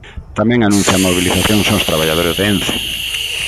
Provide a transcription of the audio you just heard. Tamén anuncian mobilizacións os traballadores de Ence.